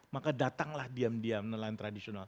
maka datanglah diam diam nelayan tradisional